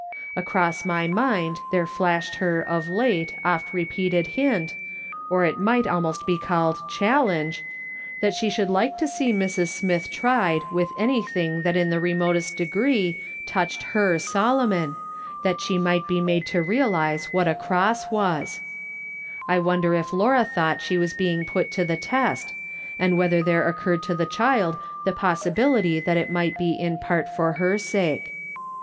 Across my mind there flashed her, of late, often repeated hint, or it might almost be called challenge, that she should like to see Mrs. Smith tried with anything that in the remotest degree touched he/i' Solomon, that she might be made to realise what a cross was, I wondered if Laura thouQ ht she was being put to the test, and whether there occurred to the child the possibility that it might be in part for her sake.